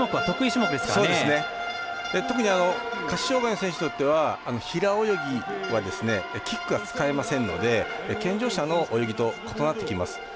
そうですね、特に下肢障がいの選手にとっては平泳ぎはキックが使えませんので健常者の泳ぎと異なってきます。